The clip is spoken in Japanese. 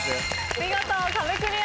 見事壁クリアです。